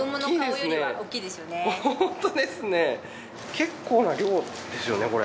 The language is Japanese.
結構な量ですよねこれ。